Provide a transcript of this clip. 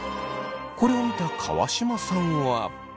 これを見た川島さんは。